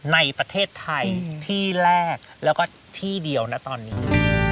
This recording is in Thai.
ในประเทศไทยที่แรกแล้วก็ที่เดียวนะตอนนี้